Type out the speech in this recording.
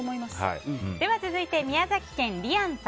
では続いて宮崎県の方。